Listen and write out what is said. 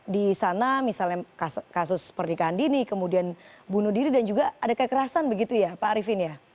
di sana misalnya kasus pernikahan dini kemudian bunuh diri dan juga ada kekerasan begitu ya pak arifin ya